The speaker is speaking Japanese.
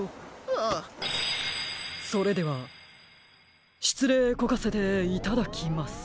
それではしつれいこかせていただきます。